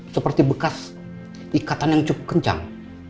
seperti bekas ikatan yang cukup kencang